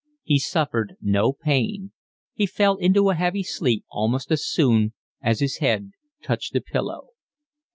He suffered no pain. He fell into a heavy sleep almost as soon as his head touched the pillow.